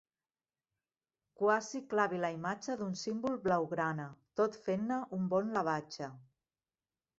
Quasi clavi la imatge d'un símbol blaugrana, tot fent-ne un bon lavatge.